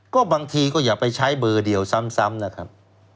ก็บางทีก็อย่าไปใช้เบอร์เดียวซ้ำนะครับ